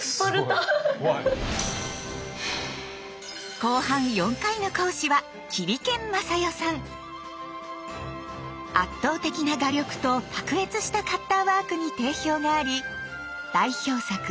後半４回の講師は圧倒的な画力と卓越したカッターワークに定評があり代表作